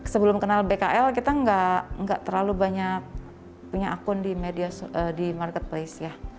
sebelum kenal bkl kita nggak terlalu banyak punya akun di marketplace ya